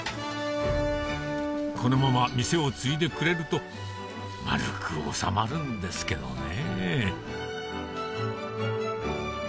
このまま店を継いでくれると丸く収まるんですけどね